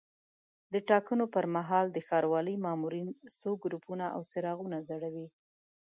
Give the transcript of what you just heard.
د ټاکنو پر مهال د ښاروالۍ مامورین څو ګروپونه او څراغونه ځړوي.